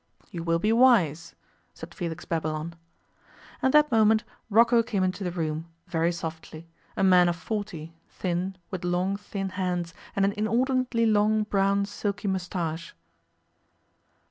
'You will be wise,' said Felix Babylon. At that moment Rocco came into the room, very softly a man of forty, thin, with long, thin hands, and an inordinately long brown silky moustache.